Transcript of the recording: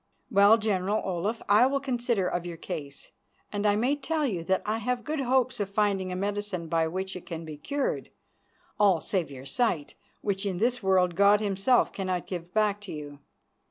Well, General Olaf, I will consider of your case, and I may tell you that I have good hopes of finding a medicine by which it can be cured, all save your sight, which in this world God Himself cannot give back to you.